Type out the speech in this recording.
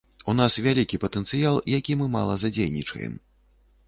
У нас вялікі патэнцыял, які мы мала задзейнічаем.